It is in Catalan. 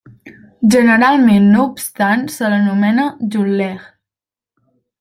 Generalment no obstant se l'anomena Sutlej.